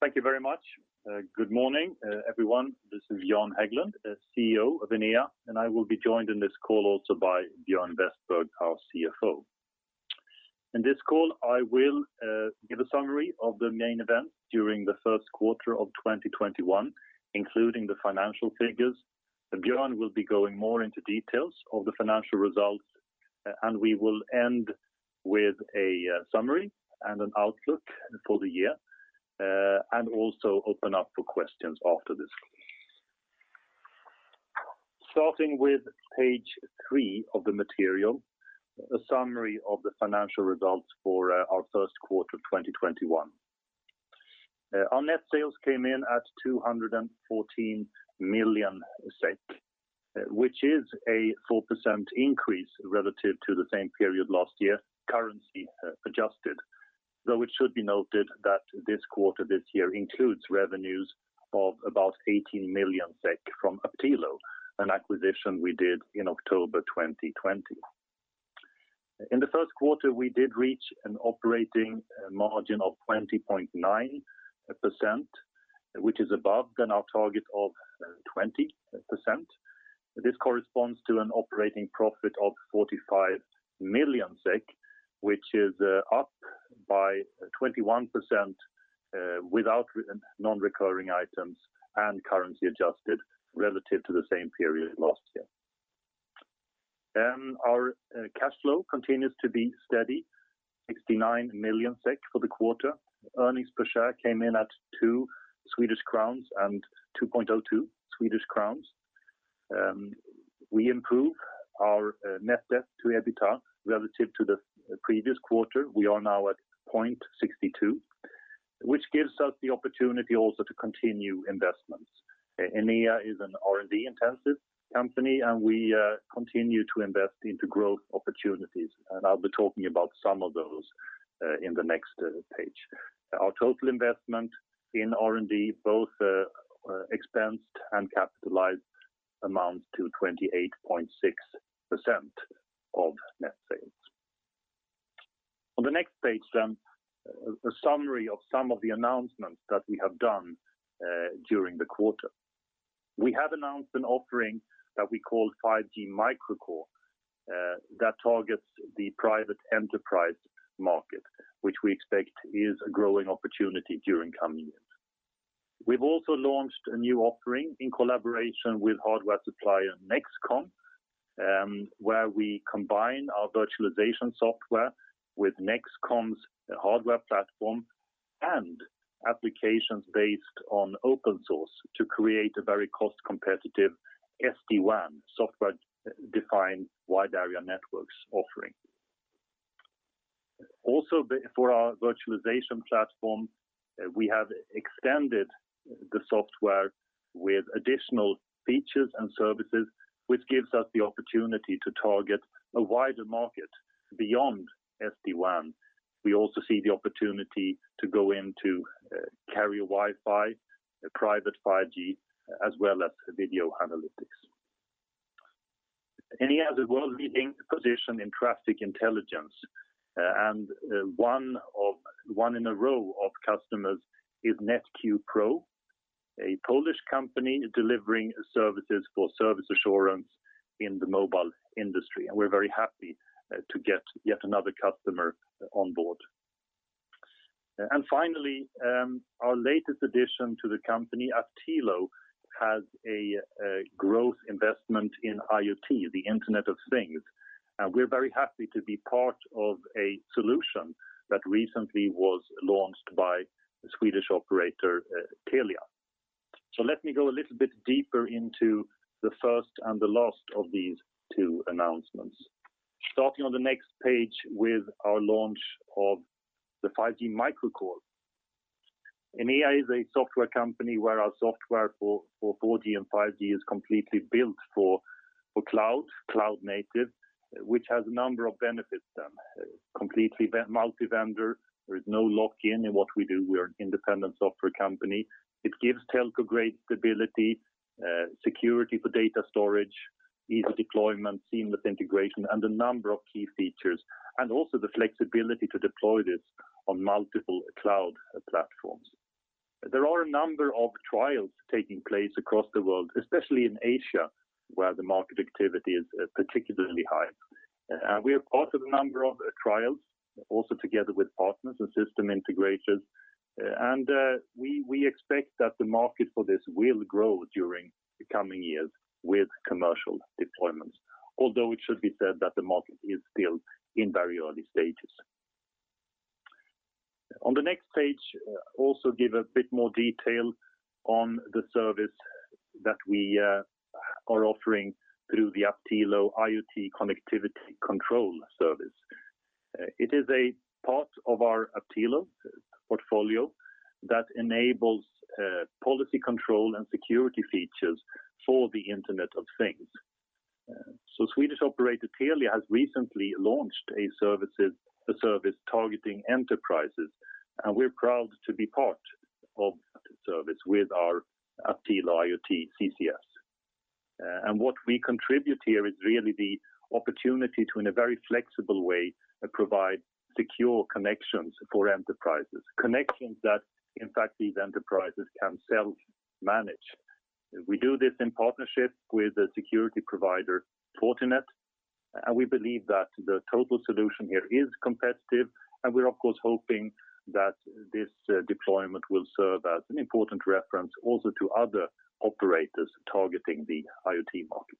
Thank you very much. Good morning, everyone. This is Jan Häglund, CEO of Enea, and I will be joined in this call also by Björn Westberg, our CFO. In this call, I will give a summary of the main events during the first quarter of 2021, including the financial figures. Björn will be going more into details of the financial results, and we will end with a summary and an outlook for the year, and also open up for questions after this call. Starting with page three of the material, a summary of the financial results for our first quarter 2021. Our net sales came in at 214 million SEK, which is a 4% increase relative to the same period last year, currency adjusted, though it should be noted that this quarter, this year includes revenues of about 18 million SEK from Aptilo, an acquisition we did in October 2020. In the first quarter, we did reach an operating margin of 20.9%, which is above our target of 20%. This corresponds to an operating profit of 45 million SEK, which is up by 21% without non-recurring items and currency adjusted relative to the same period last year. Our cash flow continues to be steady, 69 million SEK for the quarter. Earnings per share came in at 2 Swedish crowns and 2.02 Swedish crowns. We improve our net debt to EBITDA relative to the previous quarter. We are now at 0.62, which gives us the opportunity also to continue investments. Enea is an R&D-intensive company, we continue to invest into growth opportunities, and I'll be talking about some of those in the next page. Our total investment in R&D, both expensed and capitalized, amounts to 28.6% of net sales. On the next page, a summary of some of the announcements that we have done during the quarter. We have announced an offering that we call 5G MicroCore that targets the private enterprise market, which we expect is a growing opportunity during coming years. We've also launched a new offering in collaboration with hardware supplier NEXCOM, where we combine our virtualization software with NEXCOM's hardware platform and applications based on open source to create a very cost-competitive SD-WAN, Software Defined Wide Area Networks offering. Also, for our virtualization platform, we have extended the software with additional features and services, which gives us the opportunity to target a wider market beyond SD-WAN. We also see the opportunity to go into carrier Wi-Fi, private 5G, as well as video analytics. Enea has a world-leading position in traffic intelligence, and one in a row of customers is NetQPRO, a Polish company delivering services for service assurance in the mobile industry. We're very happy to get yet another customer on board. Finally, our latest addition to the company, Aptilo, has a growth investment in IoT, the Internet of Things. We're very happy to be part of a solution that recently was launched by Swedish operator Telia. Let me go a little bit deeper into the first and the last of these two announcements. Starting on the next page with our launch of the 5G MicroCore. Enea is a software company where our software for 4G and 5G is completely built for cloud native, which has a number of benefits. Completely multi-vendor. There is no lock-in in what we do. We are an independent software company. It gives telco great stability, security for data storage, easy deployment, seamless integration, and a number of key features. Also the flexibility to deploy this on multiple cloud platforms. There are a number of trials taking place across the world, especially in Asia, where the market activity is particularly high. We are part of a number of trials, also together with partners and system integrators. We expect that the market for this will grow during the coming years with commercial deployments, although it should be said that the market is still in very early stages. On the next page, we also give a bit more detail on the service that we are offering through the Aptilo IoT Connectivity Control Service. It is a part of our Aptilo portfolio that enables policy control and security features for the Internet of Things. Swedish operator Telia has recently launched a service targeting enterprises, and we're proud to be part of that service with our Aptilo IoT CCS. What we contribute here is really the opportunity to, in a very flexible way, provide secure connections for enterprises. Connections that, in fact, these enterprises can self-manage. We do this in partnership with a security provider, Fortinet, and we believe that the total solution here is competitive, and we're of course hoping that this deployment will serve as an important reference also to other operators targeting the IoT market.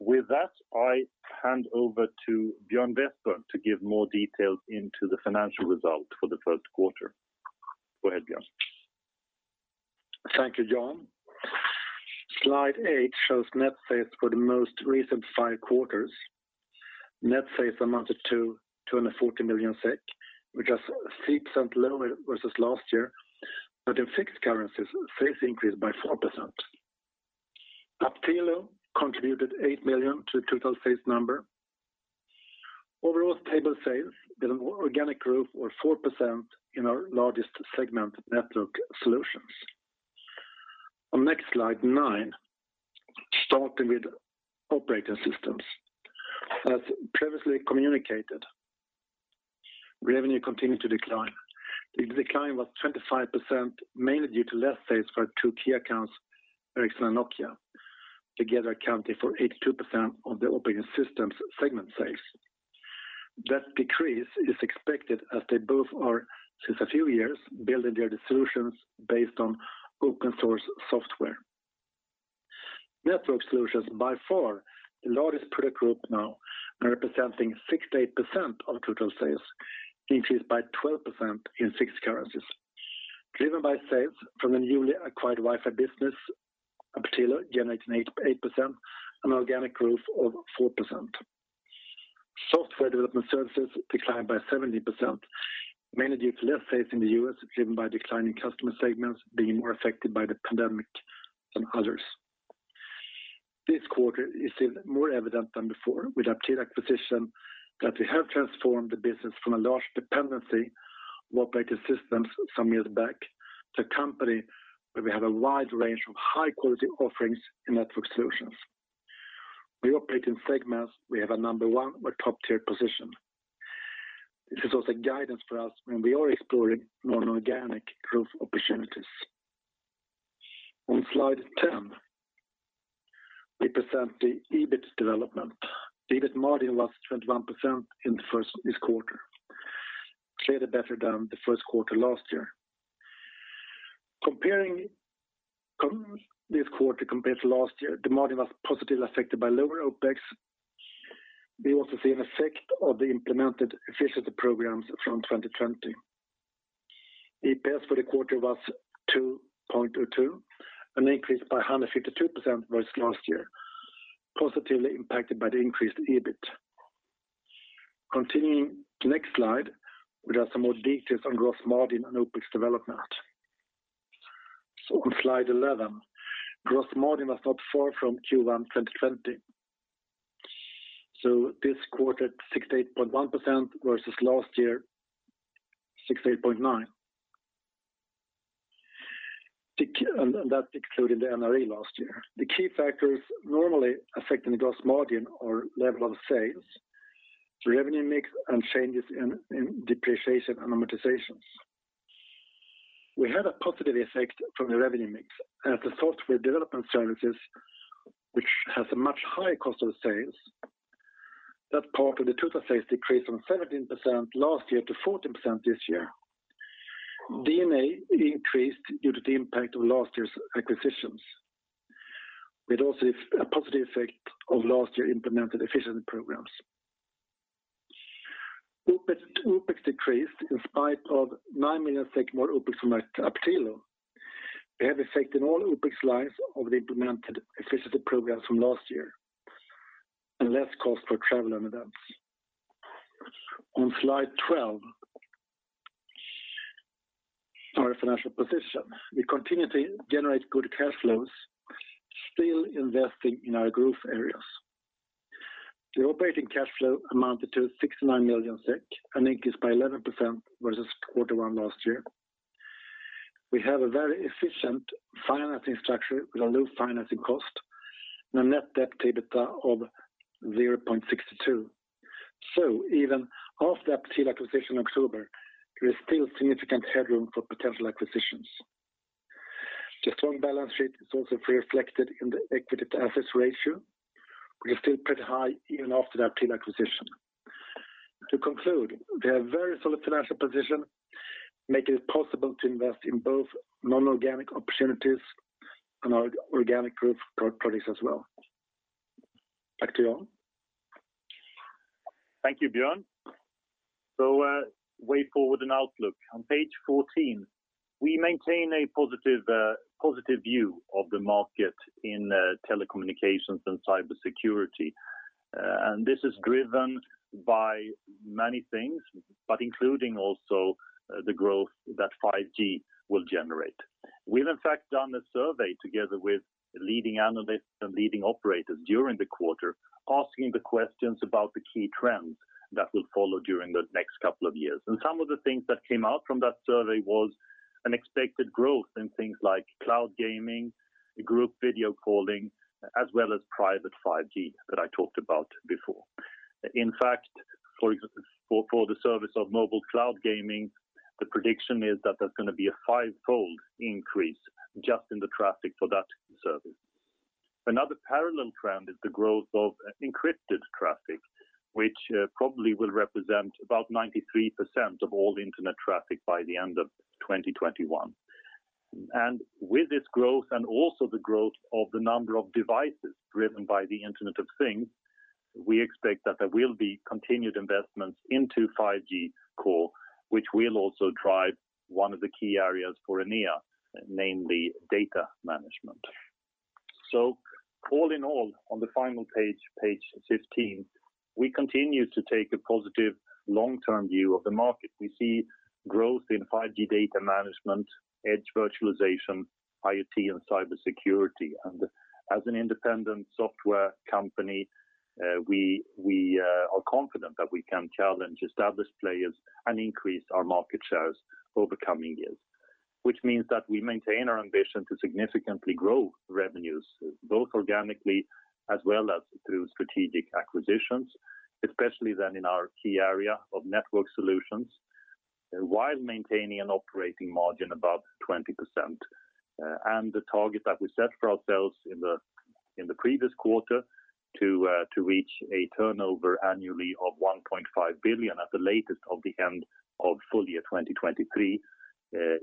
With that, I hand over to Björn Westberg to give more details into the financial result for the first quarter. Go ahead, Björn. Thank you, Jan. Slide eight shows net sales for the most recent five quarters. Net sales amounted to 214 million SEK, which is 6% lower versus last year. In fixed currencies, sales increased by 4%. Aptilo contributed eight million to the total sales number. Overall, stable sales with an organic growth of 4% in our largest segment, Network Solutions. On next slide nine, starting with Operating Systems. As previously communicated, revenue continued to decline. The decline was 25%, mainly due to less sales for our two key accounts, Ericsson and Nokia, together accounting for 82% of the Operating Systems segment sales. That decrease is expected as they both are, since a few years, building their solutions based on open source software. Network Solutions, by far the largest product group now, representing 68% of total sales, increased by 12% in fixed currencies. Driven by sales from the newly acquired Wi-Fi business, Aptilo generating 8%, an organic growth of 4%. Software development services declined by 17%, mainly due to less sales in the U.S., driven by declining customer segments being more affected by the pandemic than others. This quarter is even more evident than before, with Aptilo acquisition, that we have transformed the business from a large dependency on operating systems some years back to a company where we have a wide range of high-quality offerings in network solutions. We operate in segments we have a number one or top-tier position. This is also guidance for us when we are exploring non-organic growth opportunities. On slide 10, we present the EBIT development. The EBIT margin was 21% in the first this quarter, clearly better than the first quarter last year. This quarter compared to last year, the margin was positively affected by lower OpEx. We also see an effect of the implemented efficiency programs from 2020. EPS for the quarter was 2.02, an increase by 152% versus last year, positively impacted by the increased EBIT. Continuing to next slide, we have some more details on gross margin and OpEx development. On slide 11, gross margin was not far from Q1 2020. This quarter, 68.1% versus last year, 68.9%. That's including the M&A last year. The key factors normally affecting the gross margin are level of sales, revenue mix, and changes in depreciation and amortization. We had a positive effect from the revenue mix as the software development services, which has a much higher cost of sales. That part of the total sales decreased from 17% last year to 14% this year. D&A increased due to the impact of last year's acquisitions, with also a positive effect of last year implemented efficiency programs. OpEx decreased in spite of 9 million more OpEx from Aptilo. We have effect in all OpEx lines of the implemented efficiency programs from last year, and less cost for travel and events. On slide 12, our financial position. We continue to generate good cash flows, still investing in our growth areas. The operating cash flow amounted to 69 million SEK, an increase by 11% versus quarter one last year. We have a very efficient financing structure with a low financing cost and a net debt to EBITDA of 0.62. Even after the Aptilo acquisition in October, there is still significant headroom for potential acquisitions. The strong balance sheet is also reflected in the equity to assets ratio, which is still pretty high even after the Aptilo acquisition. To conclude, we have very solid financial position, making it possible to invest in both non-organic opportunities and our organic growth products as well. Back to Jan. Thank you, Björn. Way forward and outlook. On page 14, we maintain a positive view of the market in telecommunications and cybersecurity. This is driven by many things, but including also the growth that 5G will generate. We've in fact done a survey together with leading analysts and leading operators during the quarter, asking the questions about the key trends that will follow during the next couple of years. Some of the things that came out from that survey was an expected growth in things like cloud gaming, group video calling, as well as private 5G that I talked about before. In fact, for the service of mobile cloud gaming, the prediction is that there's going to be a five-fold increase just in the traffic for that service. Another parallel trend is the growth of encrypted traffic, which probably will represent about 93% of all internet traffic by the end of 2021. With this growth and also the growth of the number of devices driven by the Internet of Things, we expect that there will be continued investments into 5G core, which will also drive one of the key areas for Enea, namely data management. All in all, on the final page 15, we continue to take a positive long-term view of the market. We see growth in 5G data management, edge virtualization, IoT, and cybersecurity. As an independent software company, we are confident that we can challenge established players and increase our market shares over coming years. Which means that we maintain our ambition to significantly grow revenues, both organically as well as through strategic acquisitions, especially then in our key area of network solutions, while maintaining an operating margin above 20%. The target that we set for ourselves in the previous quarter to reach a turnover annually of 1.5 billion at the latest of the end of full year 2023,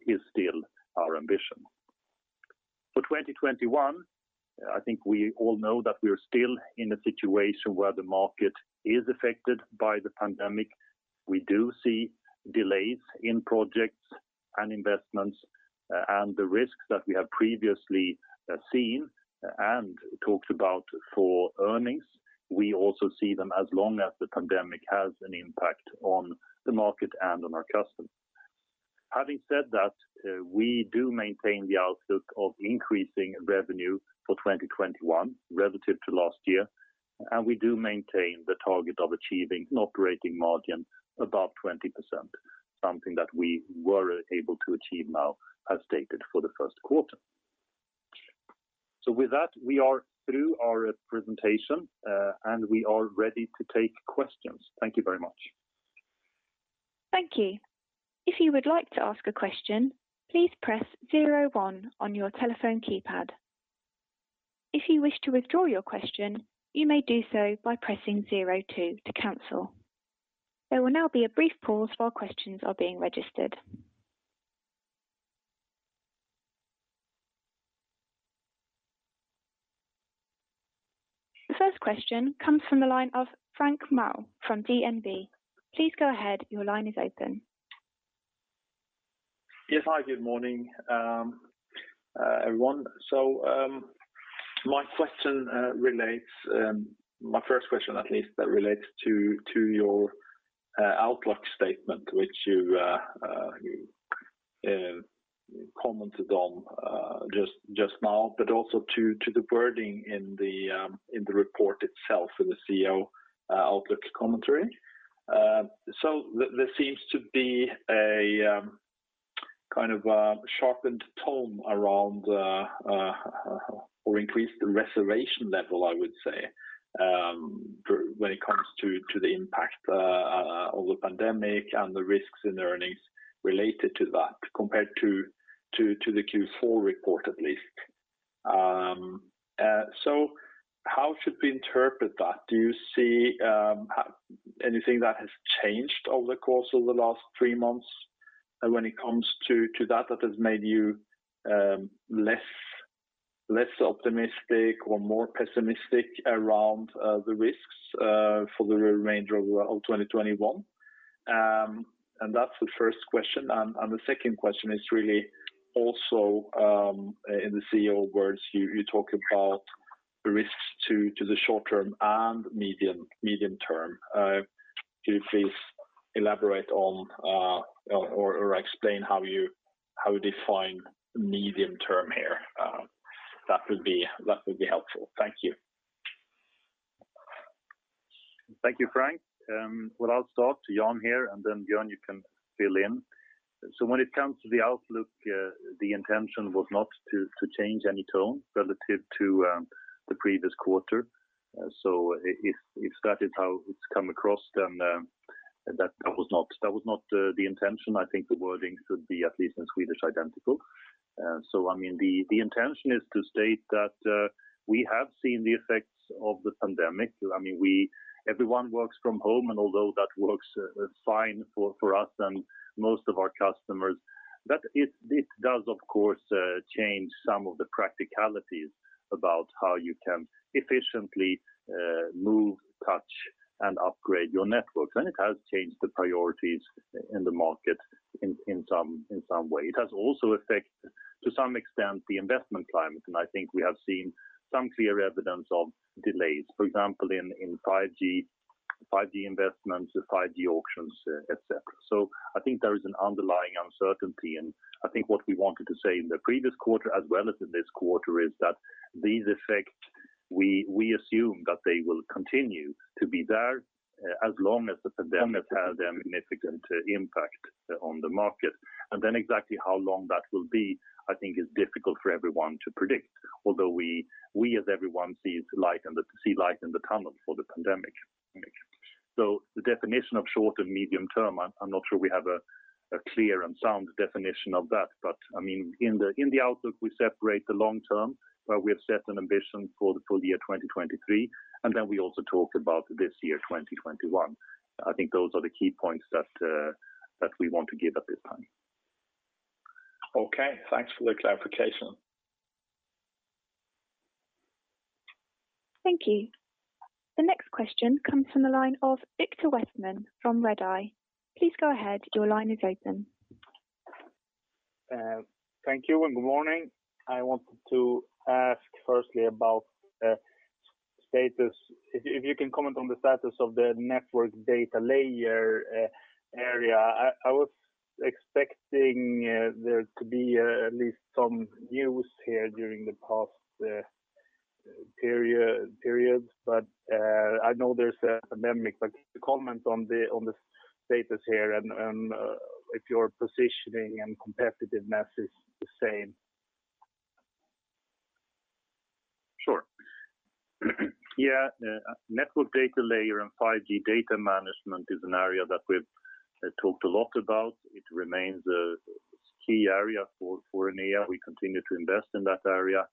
is still our ambition. For 2021, I think we all know that we're still in a situation where the market is affected by the pandemic. We do see delays in projects and investments and the risks that we have previously seen and talked about for earnings. We also see them as long as the pandemic has an impact on the market and on our customers. Having said that, we do maintain the outlook of increasing revenue for 2021 relative to last year, and we do maintain the target of achieving an operating margin above 20%, something that we were able to achieve now as stated for the first quarter. With that, we are through our presentation, and we are ready to take questions. Thank you very much. Thank you. If you would like to ask a question, please press zero one on your telephone keypad. If you wish to withdraw your question, you may do so by pressing zero two to cancel. There will now be a brief pause while questions are being registered. The first question comes from the line of Frank Maaø from DNB. Please go ahead. Your line is open. Yes. Hi, good morning, everyone. My first question, at least, relates to your outlook statement, which you commented on just now, but also to the wording in the report itself in the CEO outlook commentary. There seems to be a kind of a sharpened tone around or increased reservation level, I would say, when it comes to the impact of the pandemic and the risks in the earnings related to that compared to the Q4 report at least. How should we interpret that? Do you see anything that has changed over the course of the last three months when it comes to that has made you less optimistic or more pessimistic around the risks for the remainder of 2021? That's the first question. The second question is really also in the CEO words, you talk about risks to the short-term and medium-term. Could you please elaborate on or explain how you define medium-term here? That would be helpful. Thank you. Thank you, Frank. Well, I'll start. Jan here, and then Björn, you can fill in. When it comes to the outlook, the intention was not to change any tone relative to the previous quarter. If that is how it's come across, then that was not the intention. I think the wording should be at least in Swedish, identical. The intention is to state that we have seen the effects of the pandemic. Everyone works from home, and although that works fine for us and most of our customers, but it does, of course, change some of the practicalities about how you can efficiently move, touch, and upgrade your networks. It has changed the priorities in the market in some way. It has also affected, to some extent, the investment climate. I think we have seen some clear evidence of delays, for example, in 5G investments, the 5G auctions, et cetera. I think there is an underlying uncertainty. I think what we wanted to say in the previous quarter as well as in this quarter, is that these effects, we assume, that they will continue to be there as long as the pandemic has a significant impact on the market. Exactly how long that will be, I think, is difficult for everyone to predict, although we, as everyone, see light in the tunnel for the pandemic. The definition of short and medium term, I'm not sure we have a clear and sound definition of that, but in the outlook, we separate the long term, where we have set an ambition for the full year 2023, and then we also talk about this year, 2021. I think those are the key points that we want to give at this time. Okay. Thanks for the clarification. Thank you. The next question comes from the line of Viktor Westman from Redeye. Please go ahead. Your line is open. Thank you, and good morning. I wanted to ask firstly about status. If you can comment on the status of the network data layer area. I was expecting there to be at least some news here during the past periods. I know there's a pandemic, but comment on the status here and if your positioning and competitiveness is the same. Sure. Yeah. Network data layer and 5G data management is an area that we've talked a lot about. It remains a key area for Enea. We continue to invest in that area.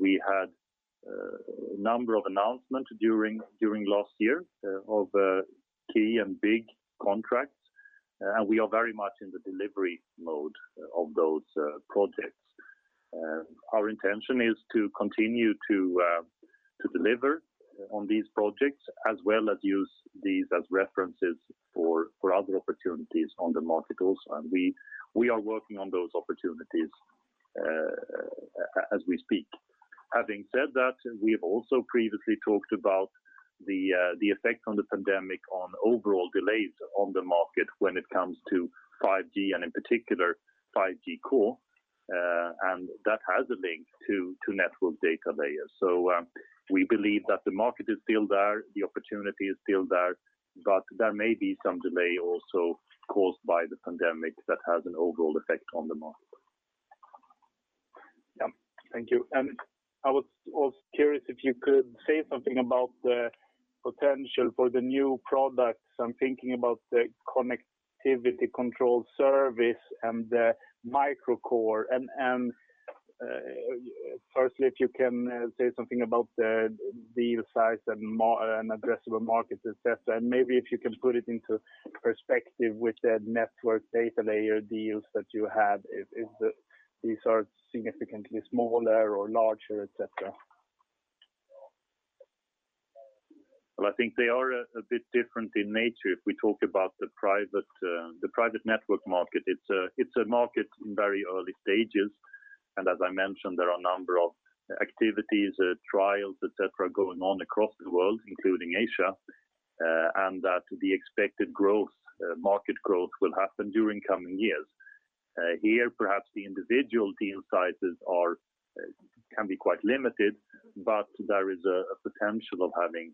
We had a number of announcements during last year of key and big contracts. We are very much in the delivery mode of those projects. Our intention is to continue to deliver on these projects as well as use these as references for other opportunities on the market also. We are working on those opportunities as we speak. Having said that, we have also previously talked about the effect on the pandemic on overall delays on the market when it comes to 5G, and in particular, 5G core, and that has a link to network data layer. We believe that the market is still there, the opportunity is still there, but there may be some delay also caused by the pandemic that has an overall effect on the market. Thank you. I was also curious if you could say something about the potential for the new products. I'm thinking about the Aptilo IoT Connectivity Control Service and the 5G MicroCore. Firstly, if you can say something about the deal size and addressable markets, et cetera. Maybe if you can put it into perspective with the network data layer deals that you have. If these are significantly smaller or larger, et cetera. Well, I think they are a bit different in nature. If we talk about the private network market, it's a market in very early stages, and as I mentioned, there are a number of activities, trials, et cetera, going on across the world, including Asia, and that the expected market growth will happen during coming years. Here, perhaps the individual deal sizes can be quite limited, but there is a potential of having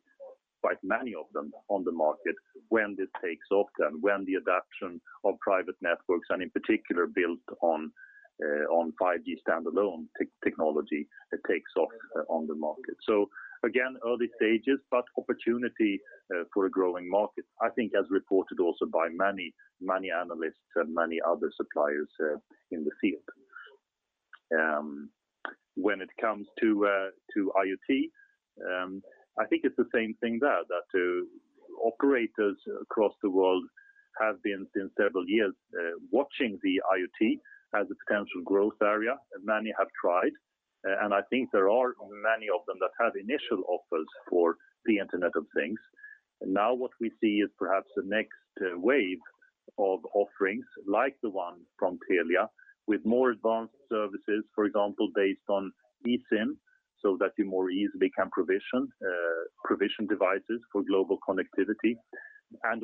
quite many of them on the market when this takes off, and when the adoption of private networks, and in particular, built on 5G standalone technology takes off on the market. Again, early stages, but opportunity for a growing market, I think as reported also by many analysts and many other suppliers in the field. When it comes to IoT, I think it's the same thing there, that operators across the world have been since several years watching the IoT as a potential growth area, and many have tried. I think there are many of them that have initial offers for the Internet of Things. Now what we see is perhaps the next wave of offerings like the one from Telia with more advanced services, for example, based on eSIM, so that you more easily can provision devices for global connectivity.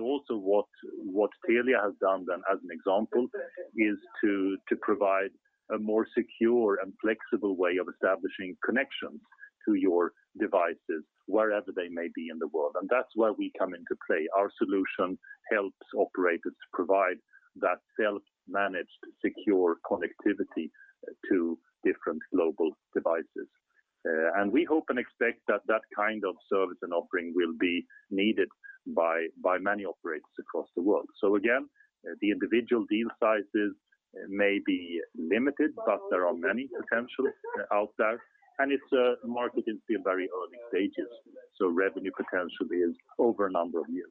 Also what Telia has done then as an example, is to provide a more secure and flexible way of establishing connections to your devices wherever they may be in the world. That's where we come into play. Our solution helps operators provide that self-managed, secure connectivity to different global devices. We hope and expect that that kind of service and offering will be needed by many operators across the world. Again, the individual deal sizes may be limited, but there are many potential out there, and its market is still very early stages. Revenue potential is over a number of years.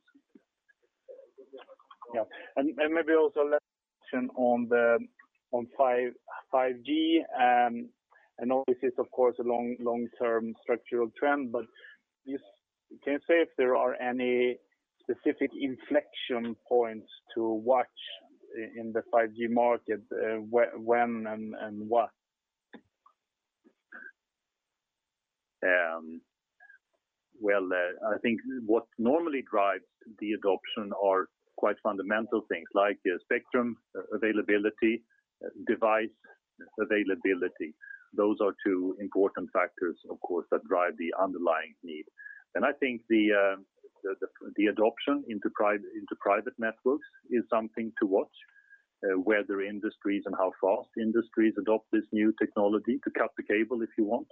Yeah. Maybe also last question on 5G. I know this is of course a long-term structural trend, but can you say if there are any specific inflection points to watch in the 5G market, when and what? Well, I think what normally drives the adoption are quite fundamental things like the spectrum availability, device availability. Those are two important factors, of course, that drive the underlying need. I think the adoption into private networks is something to watch, whether industries and how fast industries adopt this new technology to cut the cable, if you want.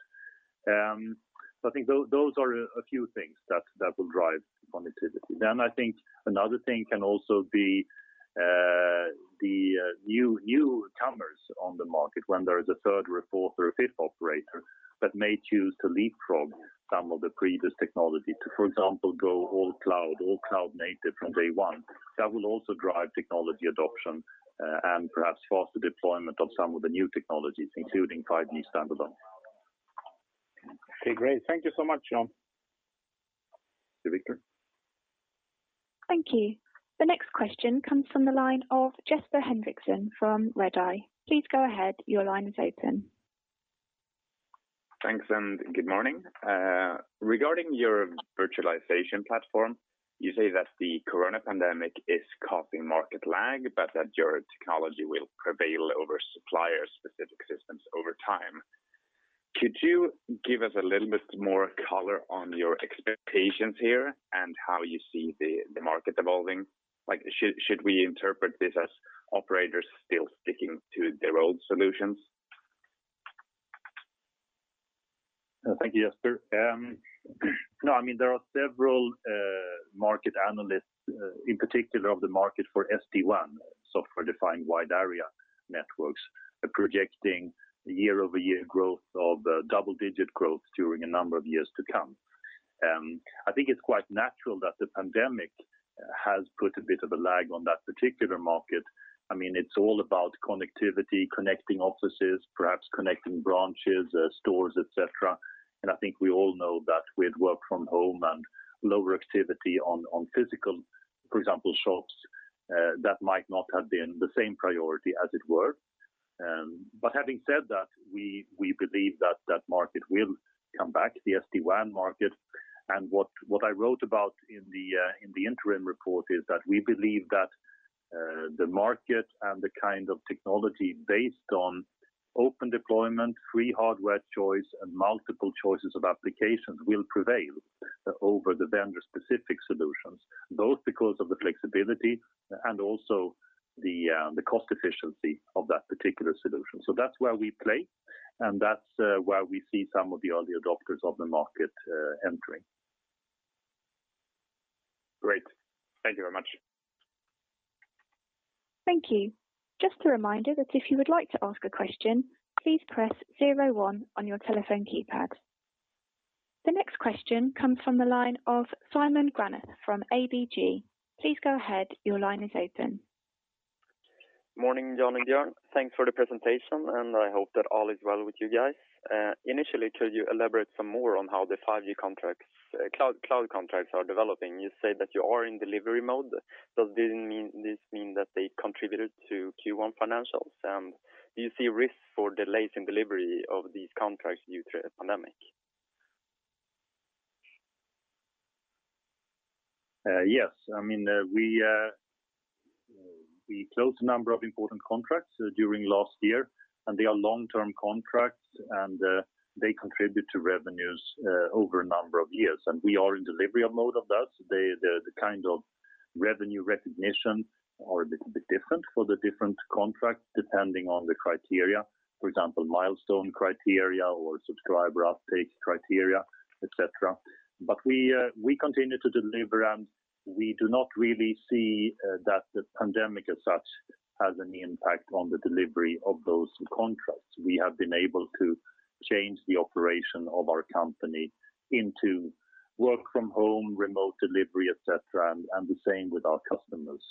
I think those are a few things that will drive connectivity. I think another thing can also be the newcomers on the market when there's a third or a fourth or a fifth operator that may choose to leapfrog some of the previous technology to, for example, go all cloud native from day one. That will also drive technology adoption, and perhaps foster deployment of some of the new technologies, including 5G standalone. Okay, great. Thank you so much, Jan. Thanks Viktor. Thank you. The next question comes from the line of Jesper Henrichsen from Redeye. Please go ahead. Your line is open. Thanks, and good morning. Regarding your virtualization platform, you say that the coronavirus pandemic is causing market lag, but that your technology will prevail over supplier-specific systems over time. Could you give us a little bit more color on your expectations here and how you see the market evolving? Should we interpret this as operators still sticking to their old solutions? Thank you, Jesper. No, there are several market analysts, in particular of the market for SD-WAN, software-defined wide area networks, projecting year-over-year growth of double-digit growth during a number of years to come. I think it's quite natural that the pandemic has put a bit of a lag on that particular market. It's all about connectivity, connecting offices, perhaps connecting branches, stores, et cetera. I think we all know that with work from home and lower activity on physical, for example, shops, that might not have been the same priority as it were. But having said that, we believe that that market will come back, the SD-WAN market. What I wrote about in the interim report is that we believe that the market and the kind of technology based on open deployment, free hardware choice, and multiple choices of applications will prevail over the vendor-specific solutions. Both because of the flexibility and also the cost efficiency of that particular solution. That's where we play, and that's where we see some of the early adopters of the market entering. Great. Thank you very much. Thank you. Just a reminder that if you would like to ask a question, please press zero one on your telephone keypad. The next question comes from the line of Simon Granath from ABG. Morning, Jan and Björn. Thanks for the presentation, and I hope that all is well with you guys. Initially, could you elaborate some more on how the 5G cloud contracts are developing? You say that you are in delivery mode. Does this mean that they contributed to Q1 financials? Do you see risks for delays in delivery of these contracts due to the pandemic? Yes. We closed a number of important contracts during last year, and they are long-term contracts, and they contribute to revenues over a number of years. We are in delivery mode of that. The kind of revenue recognition are a bit different for the different contracts depending on the criteria. For example, milestone criteria or subscriber uptake criteria, et cetera. We continue to deliver, and we do not really see that the pandemic as such has any impact on the delivery of those contracts. We have been able to change the operation of our company into work-from-home, remote delivery, et cetera, and the same with our customers.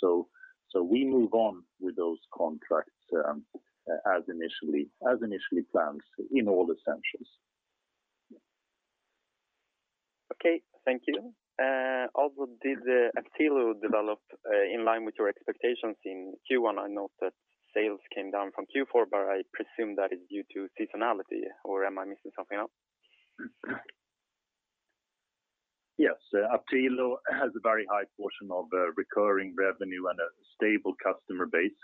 We move on with those contracts as initially planned in all essentials. Okay. Thank you. Did Aptilo develop in line with your expectations in Q1? I know that sales came down from Q4, but I presume that is due to seasonality, or am I missing something else? Yes. Aptilo has a very high portion of recurring revenue and a stable customer base,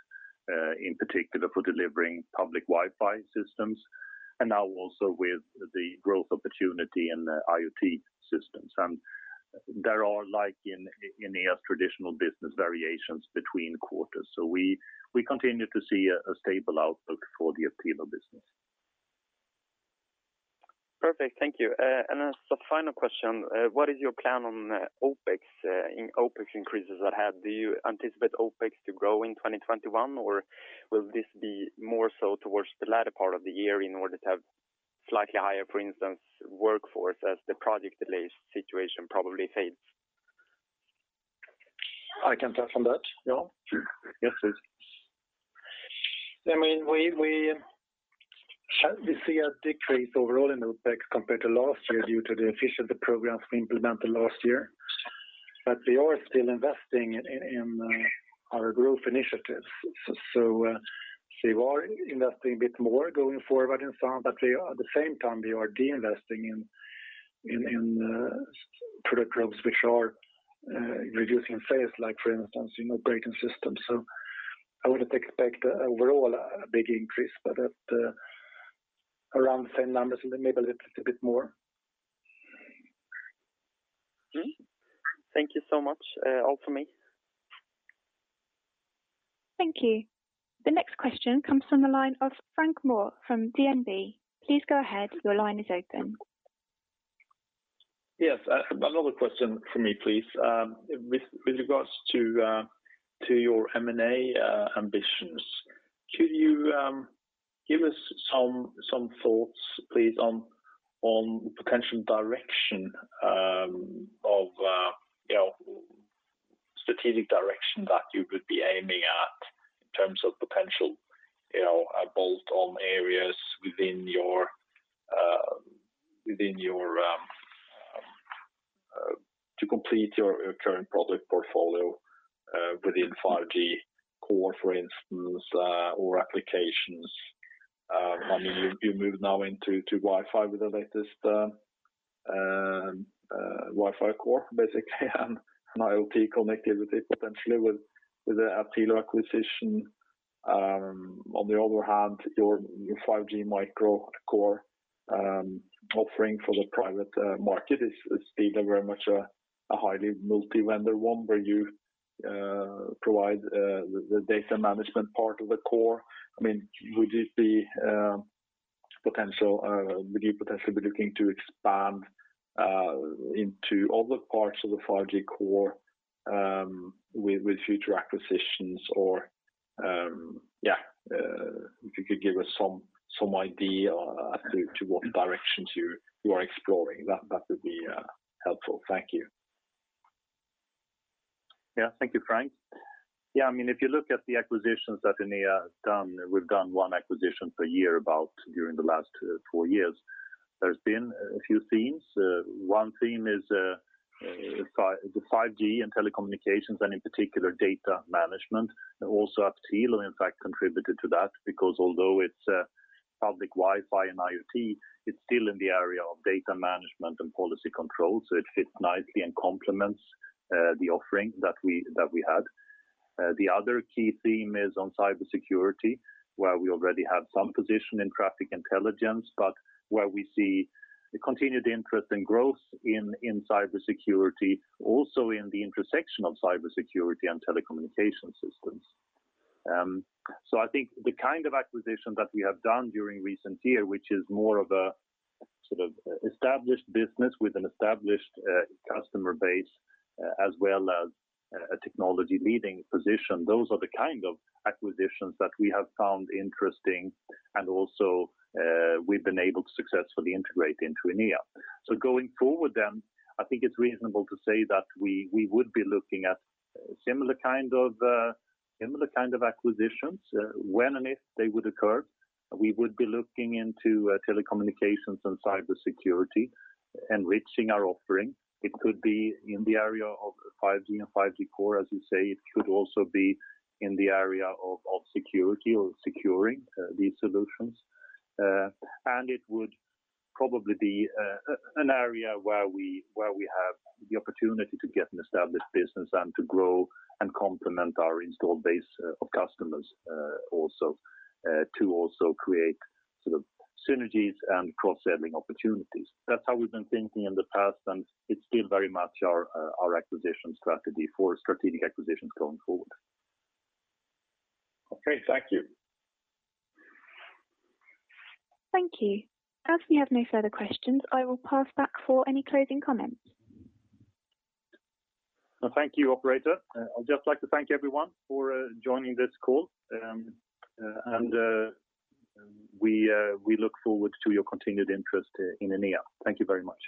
in particular for delivering public Wi-Fi systems, and now also with the growth opportunity in the IoT systems. There are, like in Enea's traditional business, variations between quarters. We continue to see a stable outlook for the Aptilo business. Perfect. Thank you. As the final question, what is your plan on OpEx increases that had? Do you anticipate OpEx to grow in 2021, or will this be more so towards the latter part of the year in order to have slightly higher, for instance, workforce as the project delays situation probably fades? I can touch on that. Jan? Yes, please. We see a decrease overall in OpEx compared to last year due to the efficiency programs we implemented last year. We are still investing in our growth initiatives. We are investing a bit more going forward in some, but at the same time, we are de-investing in product groups which are reducing phase, like for instance, operating systems. I wouldn't expect overall a big increase, but at around the same numbers and maybe a little bit more. Okay. Thank you so much. All from me. Thank you. The next question comes from the line of Frank Maaø from DNB. Please go ahead. Your line is open. Yes. Another question from me, please. With regards to your M&A ambitions, could you give us some thoughts, please, on potential strategic direction that you would be aiming at in terms of potential bolt-on areas to complete your current product portfolio within 5G core, for instance, or applications? You move now into Wi-Fi with the latest Wi-Fi core, basically, and IoT connectivity potentially with the Aptilo acquisition. On the other hand, your 5G MicroCore offering for the private market is still very much a highly multi-vendor one where you provide the data management part of the core. Would you potentially be looking to expand into other parts of the 5G core with future acquisitions? If you could give us some idea as to what directions you are exploring, that would be helpful. Thank you. Yeah. Thank you, Frank. If you look at the acquisitions that Enea has done, we've done one acquisition per year about during the last four years. There's been a few themes. One theme is the 5G and telecommunications, and in particular data management. Also Aptilo, in fact, contributed to that because although it's public Wi-Fi and IoT, it's still in the area of data management and policy control, so it fits nicely and complements the offering that we had. The other key theme is on cybersecurity, where we already have some position in traffic intelligence, but where we see a continued interest in growth in cybersecurity, also in the intersection of cybersecurity and telecommunication systems. I think the kind of acquisition that we have done during recent year, which is more of a sort of established business with an established customer base, as well as a technology leading position, those are the kind of acquisitions that we have found interesting and also we've been able to successfully integrate into Enea. Going forward, I think it's reasonable to say that we would be looking at similar kind of acquisitions, when and if they would occur. We would be looking into telecommunications and cybersecurity, enriching our offering. It could be in the area of 5G and 5G core, as you say. It could also be in the area of security or securing these solutions. It would probably be an area where we have the opportunity to get an established business and to grow and complement our installed base of customers, to also create synergies and cross-selling opportunities. That's how we've been thinking in the past, and it's still very much our acquisition strategy for strategic acquisitions going forward. Okay. Thank you. Thank you. As we have no further questions, I will pass back for any closing comments. Thank you, operator. I'd just like to thank everyone for joining this call. We look forward to your continued interest in Enea. Thank you very much.